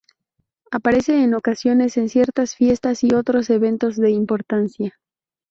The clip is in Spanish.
Aparece en ocasiones en ciertas fiestas y otros eventos de importancia.